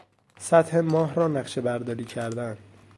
سطح ماه را نقشهبرداری کردن